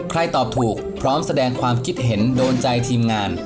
ตอบถูกพร้อมแสดงความคิดเห็นโดนใจทีมงาน